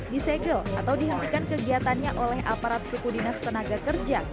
disegel atau dihentikan kegiatannya oleh aparat suku dinas tenaga kerja